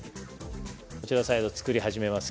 こちらサイド作り始めます。